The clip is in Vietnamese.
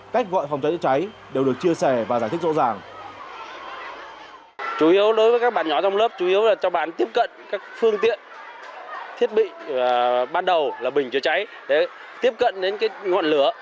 cách gọi phòng cháy chữa cháy đều được chia sẻ và giải thích rõ ràng